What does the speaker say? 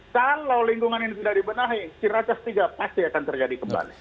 kalau lingkungan ini sudah dibenahi ciracas tiga pasti akan terjadi kembali